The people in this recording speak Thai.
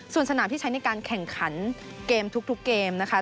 ส่วนสนามที่ใช้ในการแข่งขันเกมทุกเกมนะคะ